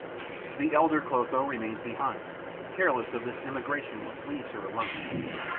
The elder Clotho remains behind, careless of this emigration which leaves her alone.